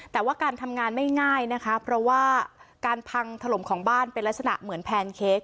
แต่ว่าการทำงานไม่ง่ายนะคะเพราะว่าการพังถล่มของบ้านเป็นลักษณะเหมือนแพนเค้ก